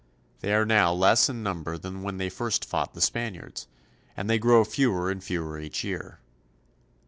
They are now less in number than when they first fought the Spaniards, and they grow fewer and fewer each year.